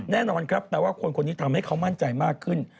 แน่นอนครับแปลว่าคนคนนี้ทำให้เขามั่นใจมากขึ้น